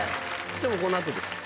今日もこのあとですか？